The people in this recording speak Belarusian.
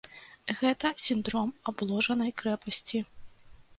Гэта сіндром абложанай крэпасці.